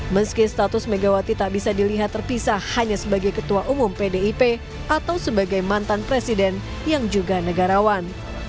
meski status megawati tak bisa dilihat terpisah hanya sebagai ketua umum pdip atau sebagai mantan presiden yang juga negarawan